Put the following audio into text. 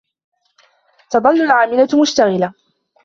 تَظَلُّ الْعَامِلَةُ مُشْتَغِلَةً.